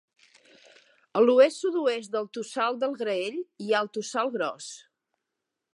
A l'oest-sud-oest del Tossal del Graell hi ha el Tossal Gros.